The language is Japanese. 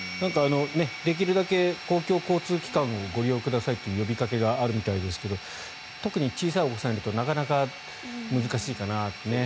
できるだけ公共交通機関をご利用くださいという呼びかけがあるみたいですけど特に小さいお子さんがいるとなかなか難しいかなと。